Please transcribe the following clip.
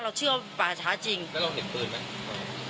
เราเชื่อว่าปราสาทจริงแล้วเราเห็นเปลือนไหมอ๋อ